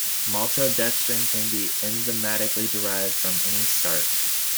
Maltodextrin can be enzymatically derived from any starch.